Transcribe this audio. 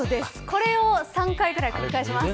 これを３回ぐらい繰り返します。